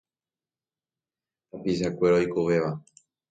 Tapichakuéra oikovéva.